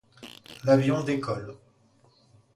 L’avion décolle.